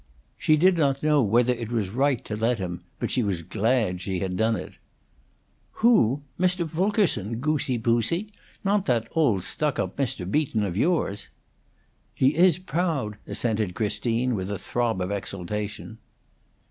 She did not know whether it was right to let him, but she was glad she had done it. "Who? Mr. Fulkerson, goosie poosie! Not that old stuckup Mr. Beaton of yours!" "He is proud," assented Christine, with a throb of exultation.